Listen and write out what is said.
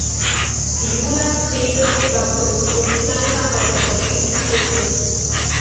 Gyula Trebitsch war Produktionsleiter bei der deutschen Episode.